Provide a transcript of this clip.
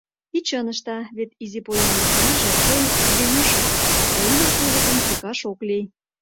И чын ышта: вет изи поянлыкнаже койын иземешыс, а ӱдыр кузыкым тӱкаш ок лий.